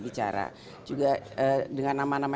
bicara juga dengan nama nama